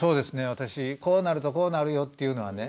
私こうなるとこうなるよって言うのはね